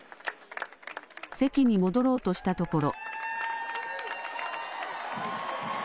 席に戻ろうとしたところ。